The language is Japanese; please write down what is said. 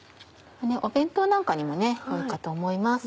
弁当なんかにもいいかと思います。